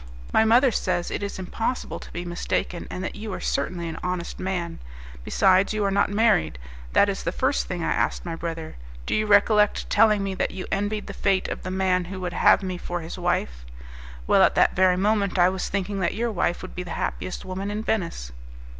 My mother says it is impossible to be mistaken, and that you are certainly an honest man. Besides, you are not married; that is the first thing I asked my brother. Do you recollect telling me that you envied the fate of the man who would have me for his wife? Well, at that very moment I was thinking that your wife would be the happiest woman in Venice."